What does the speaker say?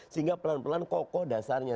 sehingga pelan pelan kokoh dasarnya